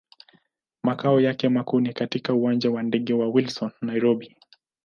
Makao yake makuu ni katika Uwanja wa ndege wa Wilson, Nairobi.